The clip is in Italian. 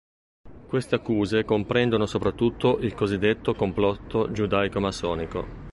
Queste accuse comprendono soprattutto il cosiddetto "complotto giudaico-massonico".